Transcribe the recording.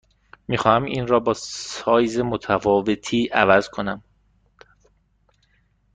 می خواهم این را با سایز متفاوتی عوض کنم.